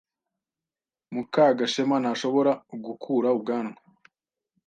Mukagashema ntashobora gukura ubwanwa.